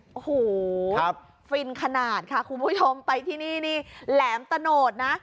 โอ้โหฟินขนาดค่ะคุณผู้ชมไปที่นี่นี่แหลมตะโนดนะ